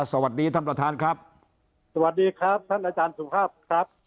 สวัสดีท่านประธานครับสวัสดีครับท่านอาจารย์สุภาพครับ